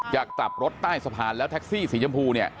จากกลับรถใต้สะพานแล้วแท็กซี่สีชมพู